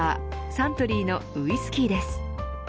サントリーのウイスキーです。